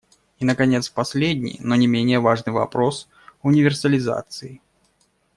И, наконец, последний, но не менее важный вопрос универсализации.